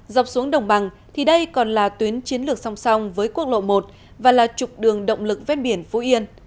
dọc xuống đồng bằng thì đây còn là tuyến chiến lược song song với quốc lộ một và là trục đường động lực vét biển phú yên